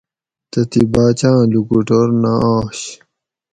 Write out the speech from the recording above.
تتھیں باچاآں لوکوٹور نہ آش